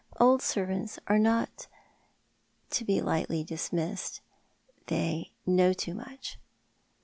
Old servants are not to be lightly dismissed. They know too much.